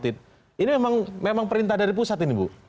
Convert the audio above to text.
ini memang perintah dari pusat ini bu